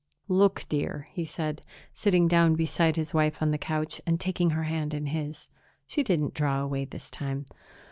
"Look, dear," he said, sitting down beside his wife on the couch and taking her hand in his. She didn't draw away this time.